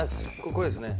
これですね。